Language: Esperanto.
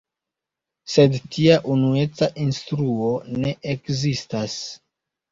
Sed tia unueca instruo ne ekzistas.